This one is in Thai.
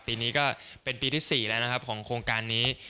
ปีนี้ก็เป็นปีที่สี่แล้วของโครงการนี้